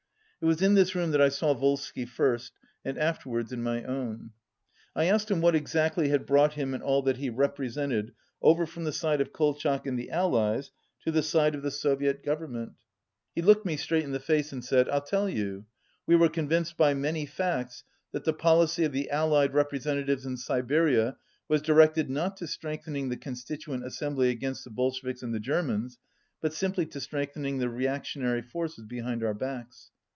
It was in this room that I saw Volsky first, and after wards in my own. I asked him what exactly had brought him and all that he represented over from the side of Kol chak and the Allies to the side of the Soviet Gov 209 eminent. He looked me straight in the face, and said: 'Til tell you. We were convinced by many facts that the policy of the Allied representa tives in Siberia was directed not to strengthening the Constituent Assembly against the Bolsheviks and the Germans, but simply to strengthening the reactionary forces behind our backs."